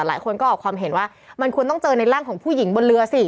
หลายคนก็ออกความเห็นว่ามันควรต้องเจอในร่างของผู้หญิงบนเรือสิ